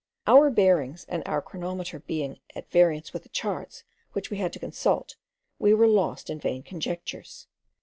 Our bearings and our chronometer being at variance with the charts which we had to consult, we were lost in vain conjectures.